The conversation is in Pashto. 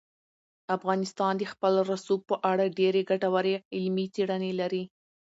افغانستان د خپل رسوب په اړه ډېرې ګټورې علمي څېړنې لري.